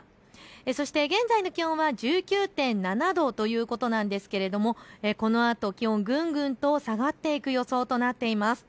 そして現在の気温は１９．７度ということなんですがこのあと気温、ぐんぐんと下がっていく予想となっています。